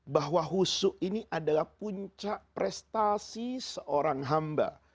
bahwa husu ini adalah puncak prestasi seorang hamba